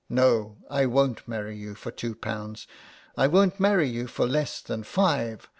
No, I won't marry you for two pounds. I won't marry you for less than five.